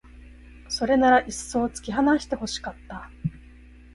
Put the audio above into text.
それならいっそう突き放して欲しかった